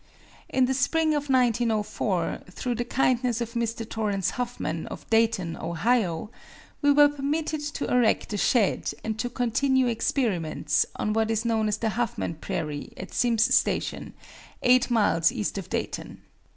In the spring of 1904, through the kindness of Mr. Torrence Huffman, of Dayton, Ohio, we were permitted to erect a shed, and to continue experiments, on what is known as the Huffman Prairie, at Simms Station, eight miles east of Dayton.